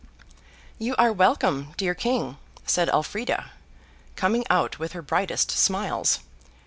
'You are welcome, dear King,' said Elfrida, coming out, with her brightest smiles.